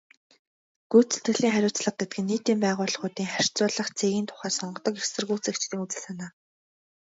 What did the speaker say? Гүйцэтгэлийн хариуцлага гэдэг нь нийтийн байгууллагуудын харьцуулах цэгийн тухай сонгодог эргэцүүлэгчдийн үзэл санаа.